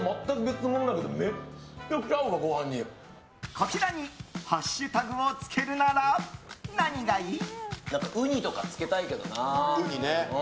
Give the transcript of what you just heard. こちらにハッシュタグをつけるなら何がいい？